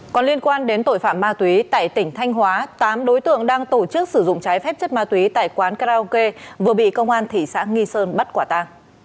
còn liên quan đến tội phạm ma túy tại tỉnh thanh hóa tám đối tượng đang tổ chức sử dụng trái phép chất ma túy tại quán karaoke vừa bị công an thị xã nghi sơn bắt quả ta